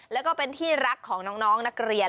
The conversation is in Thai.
แล้วก็เป็นที่รักของน้องนักเรียน